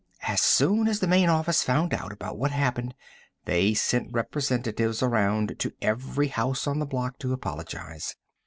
As soon as the main office found out about what happened, they sent representatives around to every house on the block to apologize.